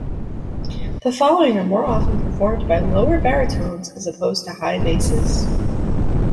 The following are more often performed by lower baritones as opposed to high basses.